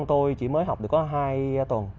con tôi chỉ mới học được có hai tuần